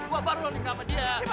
wah baru nikah sama dia